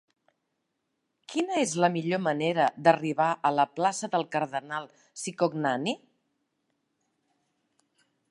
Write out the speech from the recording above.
Quina és la millor manera d'arribar a la plaça del Cardenal Cicognani?